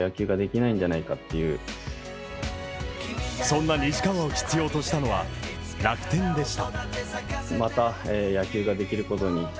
そんな西川を必要としたのは楽天でした。